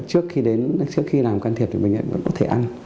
trước khi đến trước khi làm can thiệp thì bệnh viện vẫn có thể ăn